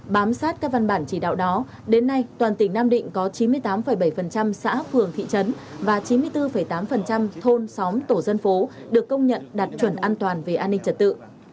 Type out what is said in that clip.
bám sát các văn bản chỉ đạo đó đến nay toàn tỉnh nam định có chín mươi tám bảy xã phường thị trấn và chín mươi bốn tám thôn xóm tổ dân phố được công nhận đạt chuẩn an toàn về an ninh trật tự